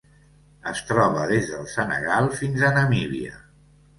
Es troba des del Senegal fins a Namíbia.